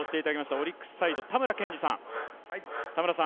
オリックスサイド、たむらさん。